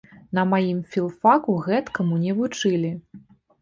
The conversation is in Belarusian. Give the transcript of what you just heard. На маім філфаку гэткаму не вучылі.